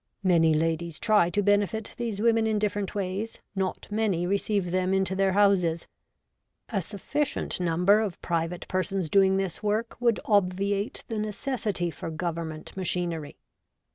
' Many ladies try to benefit these women in different ways ; not many receive them into their houses. ' A sufficient number of private persons doing this work would obviate the necessity for Government machinery.